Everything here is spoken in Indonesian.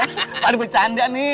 pak andien bercanda nih